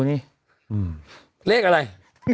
นี่ไง